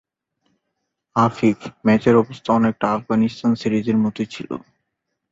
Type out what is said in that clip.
আফিফ: ম্যাচের অবস্থা অনেকটা আফগানিস্তান সিরিজের মতোই ছিল।